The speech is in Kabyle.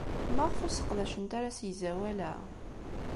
Maɣef ur sseqdacent ara asegzawal-a?